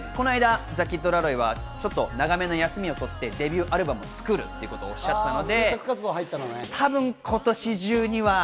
この間、ザ・キッド・ラロイは長めの休みを取ってデビューアルバムを作るということをおっしゃっていました。